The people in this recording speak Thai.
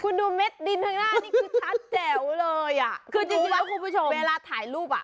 คุณดูเม็ดดินข้างหน้านี่คือชัดแจ๋วเลยอ่ะคือจริงแล้วคุณผู้ชมเวลาถ่ายรูปอ่ะ